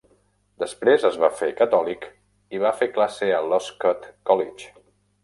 Després es va fer catòlic i va fer classe a l'Oscott College.